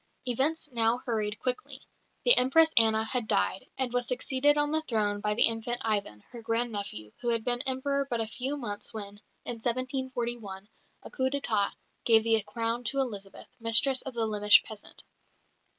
Events now hurried quickly. The Empress Anna died, and was succeeded on the throne by the infant Ivan, her grand nephew, who had been Emperor but a few months when, in 1741, a coup d'état gave the crown to Elizabeth, mistress of the Lemesh peasant.